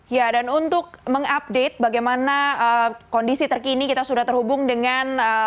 ya dan untuk mengupdate bagaimana kondisi terkini kita sudah terhubung dengan